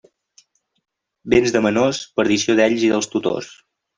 Béns de menors, perdició d'ells i dels tutors.